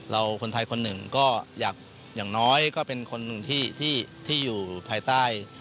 คนไทยคนหนึ่งก็อยากอย่างน้อยก็เป็นคนหนึ่งที่อยู่ภายใต้